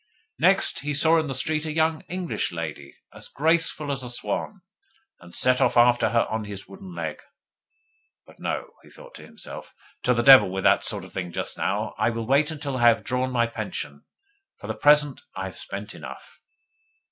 Next, he saw in the street a young English lady, as graceful as a swan, and set off after her on his wooden leg. 'But no,' he thought to himself. 'To the devil with that sort of thing just now! I will wait until I have drawn my pension. For the present I have spent enough.